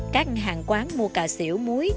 các hàng quán mua cà xỉu muối